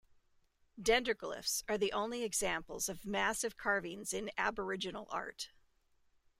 Dendroglyphs are the only examples of massive carvings in Aboriginal art.